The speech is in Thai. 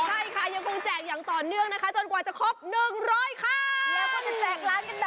ใช่ค่ะยังคงแจกอย่างต่อเนื่องนะคะจนกว่าจะครบ๑๐๐ครั้ง